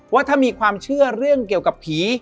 ว่าถ้ามีความเชื่อเรื่องเกี่ยวกับผี